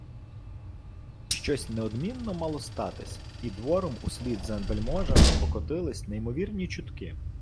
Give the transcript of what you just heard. Щось неодмінно мало статись, і двором услід за вельможами покотились неймовірні чутки.